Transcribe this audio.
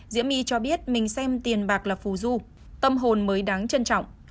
diễm my cho biết mình xem tiền bạc là phù du tâm hồn mới đáng trân trọng